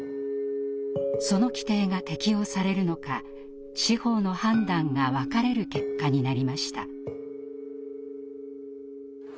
その規定が適用されるのか司法の判断が分かれる結果になりました。